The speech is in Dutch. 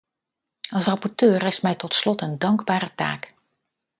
Als rapporteur rest mij tot slot een dankbare taak.